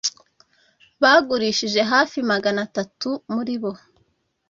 Bagurishije hafi magana atatu muribo.